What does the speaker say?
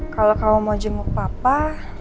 kalau kamu mau jenguk papa